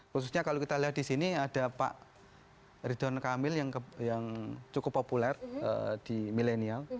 khususnya kalau kita lihat di sini ada pak ridwan kamil yang cukup populer di milenial